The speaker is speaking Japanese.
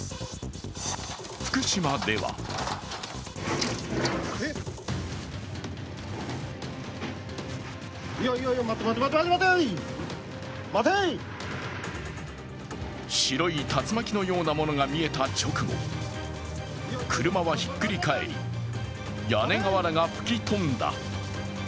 福島では白い竜巻のようなものが見えた直後車はひっくり返り、屋根瓦が吹き飛んだ。